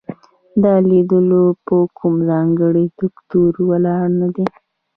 دا لیدلوری په کوم ځانګړي دوکتورین ولاړ نه دی.